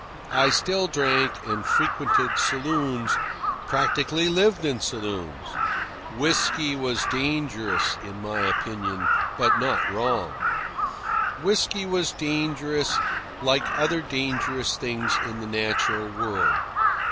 I still drank and frequented saloons practically lived in saloons. Whisky was dangerous, in my opinion, but not wrong. Whisky was dangerous like other dangerous things in the natural world.